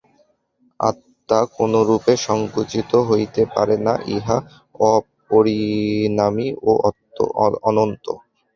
আত্মা কোনরূপে সঙ্কুচিত হইতে পারে না, ইহা অপরিণামী ও অনন্ত।